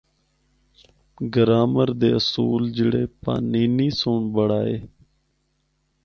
گرائمر دے اصول جڑے پانینی سنڑ بنڑائے۔